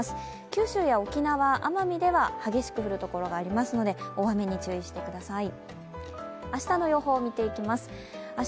九州や沖縄、奄美では激しく降る所がありますので、大雨に注意してください。